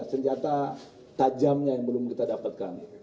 senjata tajamnya yang belum kita dapatkan